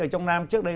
ở trong nam trước đây